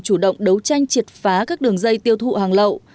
chủ động đấu tranh triệt phá các đường dây tiêu thụ hàng lậu